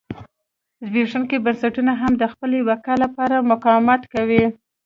زبېښونکي بنسټونه هم د خپلې بقا لپاره مقاومت کوي.